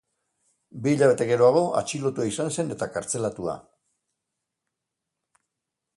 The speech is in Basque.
Bi hilabete geroago atxilotua izan zen eta kartzelatua.